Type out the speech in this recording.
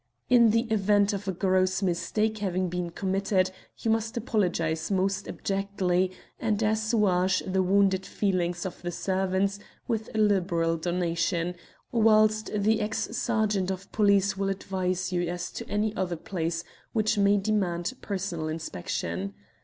In the event of a gross mistake having been committed you must apologize most abjectly and assuage the wounded feelings of the servants with a liberal donation, whilst the ex sergeant of police will advise you as to any other place which may demand personal inspection.